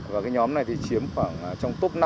và cái nhóm này thì chiếm khoảng trong top năm mươi